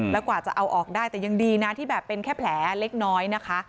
แล้วกว่าจะเอาออกได้แต่ยังดีเป็นแพลงเล็กน้อยนะคะ